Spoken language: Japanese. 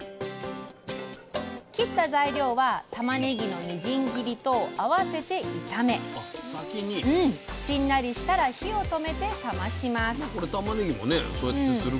切った材料は、たまねぎのみじん切りと合わせて炒めしんなりしたら火を止めて冷まします。